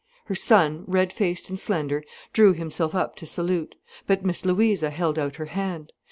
Her son, red faced and slender, drew himself up to salute. But Miss Louisa held out her hand.